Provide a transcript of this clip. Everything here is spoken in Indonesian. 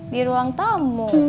di ruang tamu